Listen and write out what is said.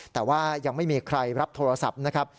แต่ว่ายังไม่มีใครรับโทรศัพท์นะครับ